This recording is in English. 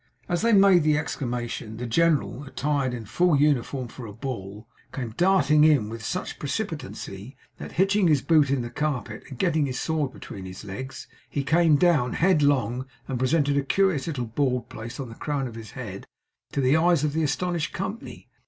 As they made the exclamation, the general, attired in full uniform for a ball, came darting in with such precipitancy that, hitching his boot in the carpet, and getting his sword between his legs, he came down headlong, and presented a curious little bald place on the crown of his head to the eyes of the astonished company.